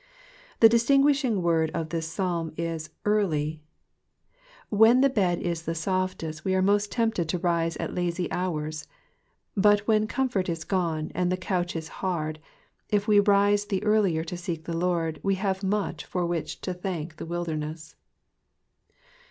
The distinguishing word of this Psalm is Eably." When the bed is the softest we are most tempted to rise at lasy hours ; but when comfort is gone, and the couch is hard, if we rise the earlier to seek the Lord, toe Aaue much for which to thank the wUdemess.